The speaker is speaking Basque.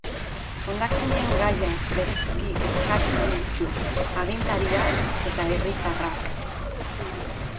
Hondakinen gaiak bereziki kezkatzen ditu agintariak eta herritarrak.